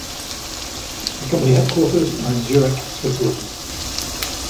The company headquarters are in Zurich Switzerland.